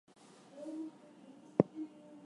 Pant mostly wrote in Sanskritized Hindi.